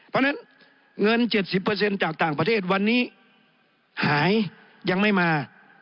เพราะฉะนั้นเงิน๗๐จากต่างประเทศวันนี้หายยังไม่มา